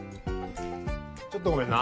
ちょっとごめんな。